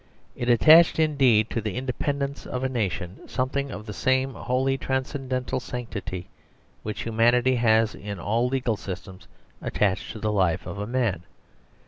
It attached indeed to the independence of a nation something of the same wholly transcendental sanctity which humanity has in all legal systems attached to the life of a man.